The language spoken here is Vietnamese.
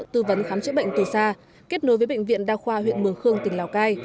tư vấn khám chữa bệnh từ xa kết nối với bệnh viện đa khoa huyện mường khương tỉnh lào cai